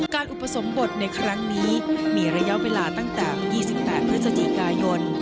อุปสมบทในครั้งนี้มีระยะเวลาตั้งแต่๒๘พฤศจิกายน